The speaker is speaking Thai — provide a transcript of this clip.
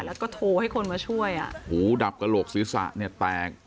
แล้วก็โทรให้คนมาช่วยหูดับกระโหลกศิษย์ศะแปลก